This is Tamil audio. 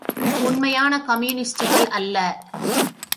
உண்மையான கம்யூனிஸ்ட்டுகள் அல்ல.